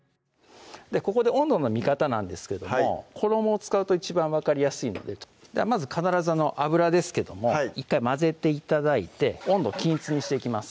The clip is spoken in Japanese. ここで温度の見方なんですけども衣を使うと一番分かりやすいのでではまず必ず油ですけども１回混ぜて頂いて温度を均一にしていきます